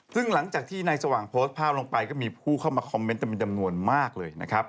ซึ่งหลังจากที่นายสว่างโพสต์ภาพลงไปก็มีผู้เข้ามาคอมเมนต์เต็มจำนวนมากเลยนะครับ